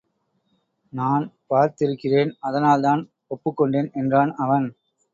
நான் பார்த்திருக்கிறேன் அதனால்தான் ஒப்புக் கொண்டேன் என்றான் அவன்.